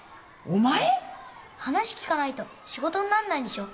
話聞かないと仕事になんないんでしょ。